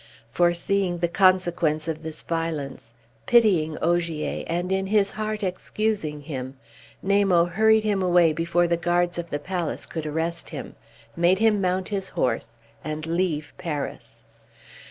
Foreseeing the consequence of this violence, pitying Ogier, and in his heart excusing him, Namo hurried him away before the guards of the palace could arrest him, made him mount his horse, and leave Paris.